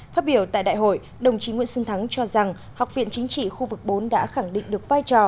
phát biểu tại đại hội đồng chí nguyễn xuân thắng cho rằng học viện chính trị khu vực bốn đã khẳng định được vai trò